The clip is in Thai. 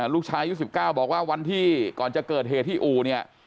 ลูกชายอายุ๑๙บอกว่าวันที่ก่อนจะเกิดเหตุที่อู่เนี่ย